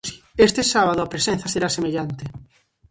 Este sábado a presenza será semellante.